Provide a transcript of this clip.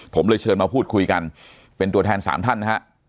ผมเลยเชิญมาพูดคุยกันเป็นตัวแทน๓ท่านนะฮะ